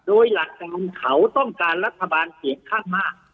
โดยหลักการเขาต้องการรัฐบาลเสียงข้างมาก